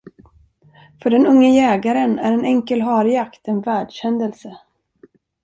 För den unge jägaren är en enkel harjakt en världshändelse.